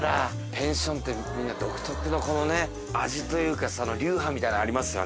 ペンションってみんな独特のこのね味というか流派みたいなのありますよね。